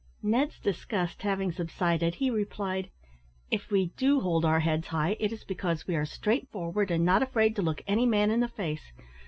Ned's disgust having subsided, he replied "If we do hold our heads high, it is because we are straightforward, and not afraid to look any man in the face.